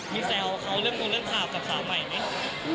มีแซวเขาเรื่องตรงเรื่องข่าวกับสาวใหม่ไหม